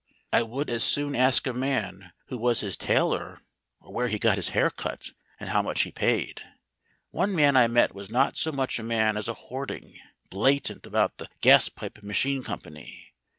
I would as soon ask a man who was his tailor or where he got his hair cut and how much he paid. One man I met was not so much a man as a hoarding, blatant about the Gaspipe Machine Company.